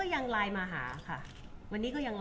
คุณผู้ถามเป็นความขอบคุณค่ะ